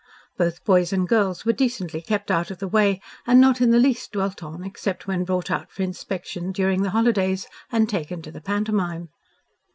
Both boys and girls were decently kept out of the way and not in the least dwelt on except when brought out for inspection during the holidays and taken to the pantomime.